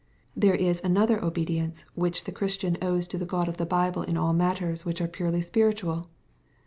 ''V There is another obedience which the Chris tian owes to the God of the Bible in all matters which are purely spiritual.